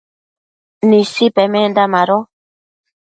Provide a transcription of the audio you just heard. Nisi pemenda mado